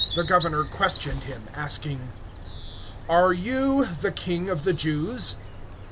And the governor questioned him, saying: Art thou the king of the Jews?